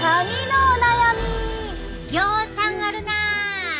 ぎょうさんあるな。